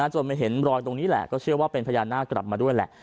จนมาเห็นรอยตรงนี้แหละก็เชื่อว่าเป็นพญานาคกลับมาด้วยแหละ